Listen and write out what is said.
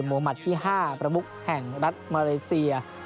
โมมัติที่๕ประมุขแห่งรัฐมาเลเซีย